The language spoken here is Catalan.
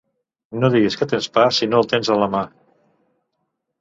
No diguis que tens pa si no el tens en la mà.